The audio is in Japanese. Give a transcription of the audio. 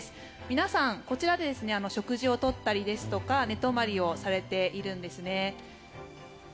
皆さん、こちらで食事を取ったりですとか寝泊まりされているんですね。